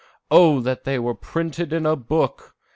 O that they were printed in a book!